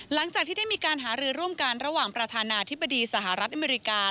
หลังจากที่ได้มีการหารือร่วมกันระหว่างประธานาธิบดีสหรัฐอเมริกา